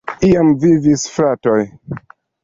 Iam vivis du fratoj.